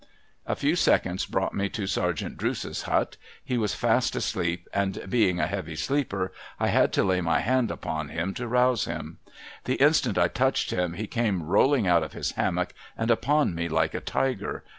A few seconds l)rought me to Sergeant Drooce's hut. He was fast asleep, and being a heavy sleeper, I had to lay my hand upon hitn to rouse him. The instant I touched him he came rolling out of his hammock, and upon me like a tiger.